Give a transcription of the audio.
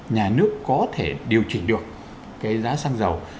nhà nước có thể điều chỉnh được cái giá xăng dầu